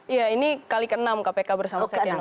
iya ini kali ke enam kpk bersama setia nova